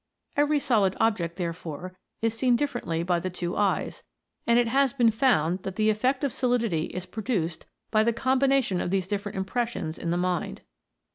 Every solid object, therefore, is seen differently by the two eyes, and it has been found that the effect of solidity is produced by the combination of these different impressions in the mind.